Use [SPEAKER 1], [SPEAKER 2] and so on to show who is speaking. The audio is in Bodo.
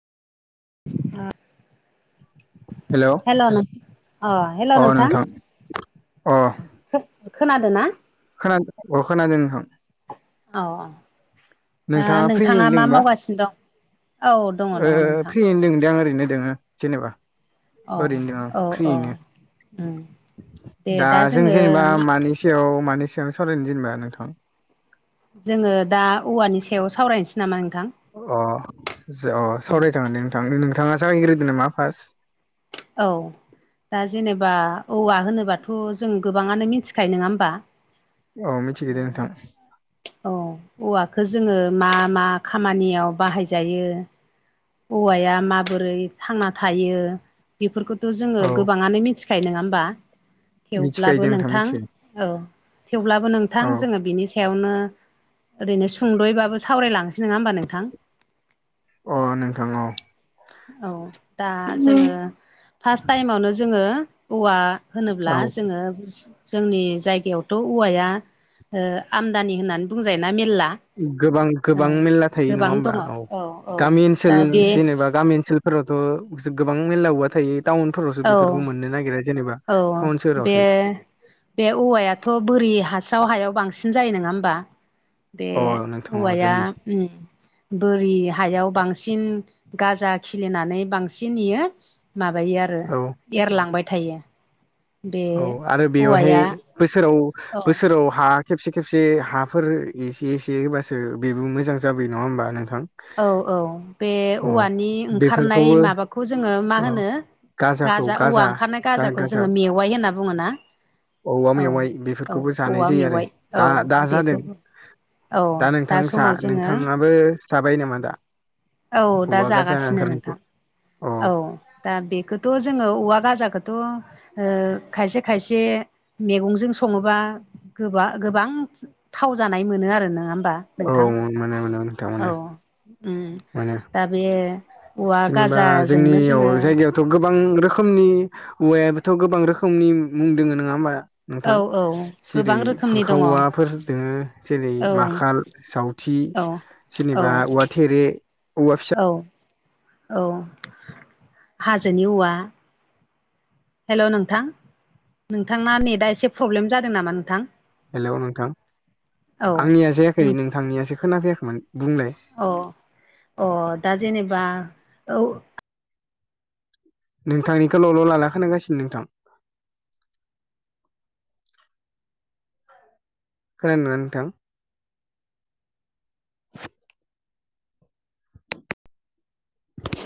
[SPEAKER 1] ओ
[SPEAKER 2] हेलौ
[SPEAKER 1] हेल' अ हेल' नोंथां खोनादों ना
[SPEAKER 2] खोनादों अ खोनादों नोंथां
[SPEAKER 1] औ दा नोंथाङा
[SPEAKER 2] फ्रियैनो
[SPEAKER 1] मा
[SPEAKER 2] दोंबा
[SPEAKER 1] मावगासिनो दं औ दङ दङ नोंथां
[SPEAKER 2] फ्रियैनो दङ दे आं ओरैनो दोङो जेनेबा
[SPEAKER 1] अ
[SPEAKER 2] ओरैनो दं आं
[SPEAKER 1] औ औ
[SPEAKER 2] फ्रियैनो
[SPEAKER 1] उम दे
[SPEAKER 2] दा जों
[SPEAKER 1] जोङो
[SPEAKER 2] जेनेबा
[SPEAKER 1] मा
[SPEAKER 2] मानि मानि सायाव मानि सायाव सावरायनो जेनबा नोंथां
[SPEAKER 1] जोङो दा औवानि सायाव सावरायनोसै नामा नोंथां
[SPEAKER 2] अ अ सावरायजागोन दे नोंथां नोंथाङा जागायग्रोदो नामा फार्स्ट
[SPEAKER 1] औ दा जेनेबा औवा होनोबाथ' जों गोबाङानो मिथिखायो नङा होमबा
[SPEAKER 2] औ मिथिगो
[SPEAKER 1] दा
[SPEAKER 2] दे नोंथां
[SPEAKER 1] [unintelligible] औ औवाखौ जोङो मा मा खामानियाव बाहायजायो औवाया माबोरै थांना थायो बेफोरखौथ' जोङो
[SPEAKER 2] औ
[SPEAKER 1] गोबाङानो मिथिखायो नङा होनबा
[SPEAKER 2] मिथिखायो
[SPEAKER 1] थेवब्लाबो
[SPEAKER 2] दे
[SPEAKER 1] नोंथां
[SPEAKER 2] मिथिखायो
[SPEAKER 1] औ थेवब्लाबो नोंथां
[SPEAKER 2] औ
[SPEAKER 1] जोङो बेनि सायावनो ओरैनो सुंद'यैबाबो सावरायलांनोसै नङा होमबा नोंथां
[SPEAKER 2] अ नोंथां औ
[SPEAKER 1] औ दा जोङो फार्स्ट टाइमावनो जोङो औवा होनोब्ला
[SPEAKER 2] औ
[SPEAKER 1] जोङो जोंनि जायगायावथ' औवाया आमदानि होननानै बुंजायो ना मेरला
[SPEAKER 2] गोबां
[SPEAKER 1] ओ
[SPEAKER 2] गोबां मेरला थायो नङा
[SPEAKER 1] गोबां
[SPEAKER 2] होमबा
[SPEAKER 1] दङ
[SPEAKER 2] औ गामि
[SPEAKER 1] दा
[SPEAKER 2] ओनसोल
[SPEAKER 1] बे
[SPEAKER 2] जेनेबा गामि ओनसोल फोरावथ' गोबां मेरला औवा थायो टाउनफोरावसो
[SPEAKER 1] औ
[SPEAKER 2] बेफोरखौ मोननो नागिरा जेनेबा
[SPEAKER 1] औ
[SPEAKER 2] टाउन
[SPEAKER 1] बे
[SPEAKER 2] सोहोरावसो
[SPEAKER 1] बे औवायाथ' बोरि हास्राव हायाव बांसिन जायो नङा होमबा बे
[SPEAKER 2] अ नोंथां अ
[SPEAKER 1] औवाया
[SPEAKER 2] जायो
[SPEAKER 1] ओम बोरि हायाव बांसिन गाजा खिलिनानै बांसिन इयो माबायो आरो
[SPEAKER 2] औ
[SPEAKER 1] आरो एरलांबाय थायो बे
[SPEAKER 2] औ आरो बेवहाय
[SPEAKER 1] औवाया
[SPEAKER 2] बोसोराव
[SPEAKER 1] औ
[SPEAKER 2] बोसोराव हा खेबसे खेबसे हाफोर एसे एसे होबासो बेबो मोजां जाबोयो नङा होमबा नोंथां
[SPEAKER 1] औ औ बे
[SPEAKER 2] औ
[SPEAKER 1] औवानि ओंखारनाय
[SPEAKER 2] बेफोरखौबो
[SPEAKER 1] माबाखौ जोङो मा
[SPEAKER 2] औ
[SPEAKER 1] होनो गाजा औवा ओंखारनाय गाजाखौ
[SPEAKER 2] गाजा
[SPEAKER 1] जोङो मेवाइ होनना बुङो ना
[SPEAKER 2] औवा मेवाइ बेफोरखौबो जानाय जायो आरो
[SPEAKER 1] मेवाइ औ
[SPEAKER 2] दा दा जादों
[SPEAKER 1] बेखौ औ
[SPEAKER 2] दा नोंथां
[SPEAKER 1] समाव जोङो
[SPEAKER 2] नोंथाङाबो जाबाय नामा दा
[SPEAKER 1] औ दा
[SPEAKER 2] औवा गाजा
[SPEAKER 1] जागासिनो नोंथां
[SPEAKER 2] ओंखारनायखौ अ
[SPEAKER 1] औ दा बेखौथ' जोङो औवा गाजाखौथ' खायसे खायसे मैगंजों सङोबा गोबा गोबां थाव जानाय मोनो आरो नङा होमबा
[SPEAKER 2] औ
[SPEAKER 1] नोंथां
[SPEAKER 2] मोनो मोनो नोंथां मोनो
[SPEAKER 1] ओम
[SPEAKER 2] मोनो
[SPEAKER 1] दा बे औवा गाजा
[SPEAKER 2] दा जोंनियाव जायगायाव [unintelligible] गोबां रोखोमनि औवायाबोथ' गोबां रोखोमनि मुं दङ नङा होमबा नोंथां
[SPEAKER 1] औ औ
[SPEAKER 2] जेरै
[SPEAKER 1] गोबां रोखोमनि
[SPEAKER 2] बुरखा
[SPEAKER 1] दङ औ
[SPEAKER 2] औवाफोर दङ जेरै
[SPEAKER 1] औ
[SPEAKER 2] माखाल सावथि
[SPEAKER 1] औ
[SPEAKER 2] जेनेबा औवा थेरे औवा फिसा
[SPEAKER 1] औ औ हाजोनि औवा हेल' नोंथां नोंथाङा नेटआ एसे प्रब्लेम जादों नामा नोंथां
[SPEAKER 2] हेलौ नोंथां
[SPEAKER 1] औ
[SPEAKER 2] आंनिया जायाखै
[SPEAKER 1] नों
[SPEAKER 2] नोंथांनियासो खोनाफैयाखैमोन बुंलाय
[SPEAKER 1] अ अ दा जेनेबा औ
[SPEAKER 2] नोंथांनिखौ ल'ल' ला ला खानागासिनो नोंथां खोनादोंना